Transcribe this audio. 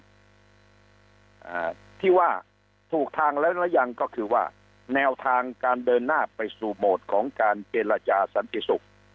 อ่าที่ว่าถูกทางแล้วหรือยังก็คือว่าแนวทางการเดินหน้าไปสู่โหมดของการเจรจาสันติศุกร์